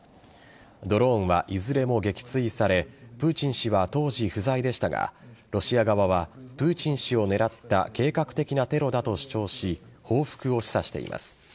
ドローンは、いずれも撃墜されプーチン氏は当時不在でしたがロシア側はプーチン氏を狙った計画的なテロだと主張し報復を示唆しています。